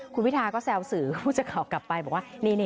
คุณวิทาก็แซวสื่อพูดจากเขากลับไปบอกว่า